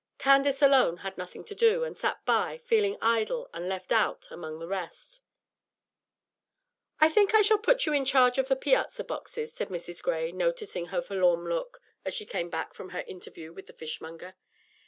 Candace alone had nothing to do, and sat by, feeling idle and left out among the rest. "I think I shall put you in charge of the piazza boxes," said Mrs. Gray, noticing her forlorn look as she came back from her interview with the fishmonger.